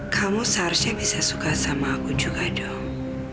kamu seharusnya bisa suka sama aku juga dong